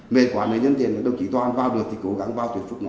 mệt quá nên nhân tiền đồng chí toàn vào được thì cố gắng vào tuyệt phục nó thôi